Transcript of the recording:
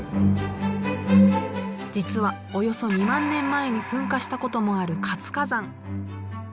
実はおよそ２万年前に噴火したこともある活火山。